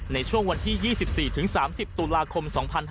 ในช่วงวันที่๒๔๓๐ตุลาคม๒๕๕๙